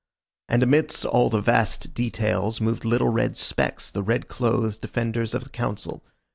And amidst all the vast details moved little red specks, the red clothed defenders of the Council.